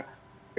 siapa yang salah